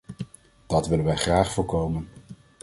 Dat willen wij graag voorkomen.